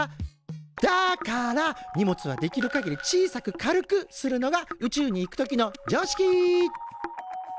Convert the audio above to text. だから荷物はできるかぎり小さく軽くするのが宇宙に行く時の常識。